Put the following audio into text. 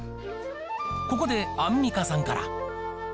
ここでアンミカさんから。